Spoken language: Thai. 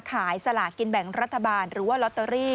สลากินแบ่งรัฐบาลหรือว่าลอตเตอรี่